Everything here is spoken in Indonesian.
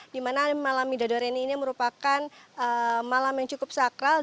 di mana malam midodareni ini merupakan malam yang cukup sakral